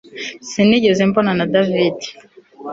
Sinigeze mbona na David